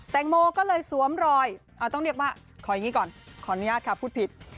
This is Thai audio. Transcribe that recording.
แตงโมก็เลยสวมรอยต้องเรียกว่าขออย่างนี้ก่อนขออนุญาตค่ะพูดผิด